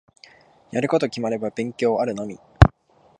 やること決まれば勉強あるのみ。